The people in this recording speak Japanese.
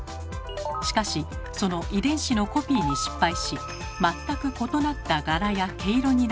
しかしその遺伝子のコピーに失敗し全く異なった柄や毛色になってしまう。